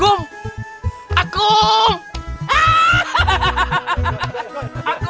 ya sayang yuk